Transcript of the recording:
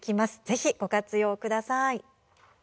ぜひ、ご活用ください。